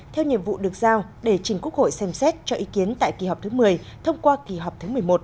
theo nhiệm vụ được giao để trình quốc hội xem xét cho ý kiến tại kỳ họp thứ một mươi thông qua kỳ họp thứ một mươi một